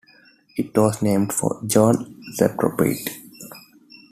It was named for John Laporte.